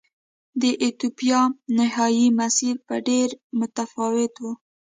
د ایتوپیا نهايي مسیر به ډېر متفاوت و.